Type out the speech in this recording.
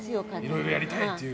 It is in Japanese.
いろいろやりたいという。